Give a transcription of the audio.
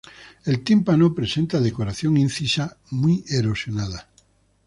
El tímpano presenta decoración incisa muy erosionada.